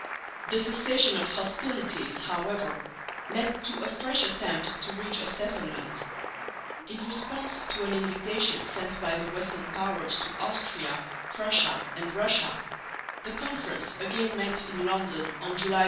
The cessation of hostilities, however, led to a fresh attempt to reach a settlement. In response to an invitation sent by the western Powers to Austria, Prussia and Russia, the Conference again met in London on July 15.